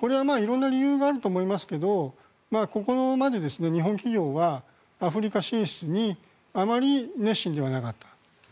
これは色んな理由があると思いますがここまで日本企業はアフリカ進出にあまり熱心ではなかった。